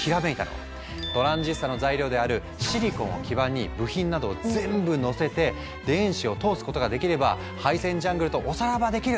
トランジスタの材料であるシリコンを基板に部品などを全部のせて電子を通すことができれば配線ジャングルとおさらばできる！